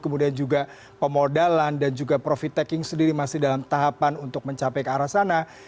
kemudian juga pemodalan dan juga profit taking sendiri masih dalam tahapan untuk mencapai ke arah sana